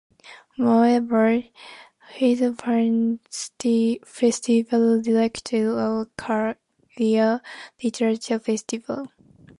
Moreover, he is the festival director of Kerala Literature Festival.